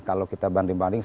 kalau kita banding banding